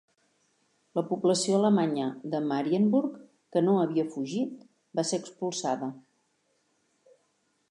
La població alemanya de Marienburg que no havia fugit va ser expulsada.